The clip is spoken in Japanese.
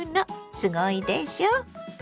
すごいでしょ。